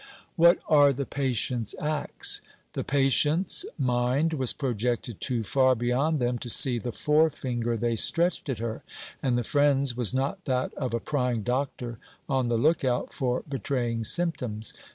What are the patient's acts? The patient's, mind was projected too far beyond them to see the fore finger they stretched at her; and the friend's was not that of a prying doctor on the look out for betraying symptoms.